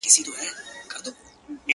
له لښكر څخه را ليري سو تنها سو-